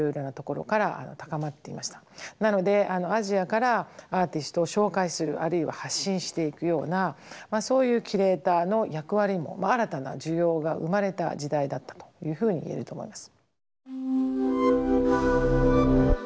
なのでアジアからアーティストを紹介するあるいは発信していくようなそういうキュレーターの役割も新たな需要が生まれた時代だったというふうに言えると思います。